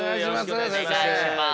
お願いします。